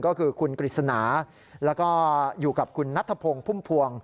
ก็คือคุณกฤษณาแล้วก็อยู่กับคุณนัทพงศ์พุ่มพวง